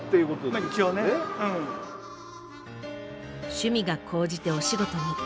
趣味が高じてお仕事に。